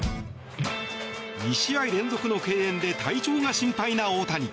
２試合連続のけいれんで体調が心配な大谷。